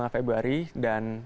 dua puluh lima februari dan